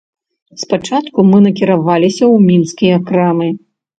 Спачатку мы накіраваліся ў мінскія крамы.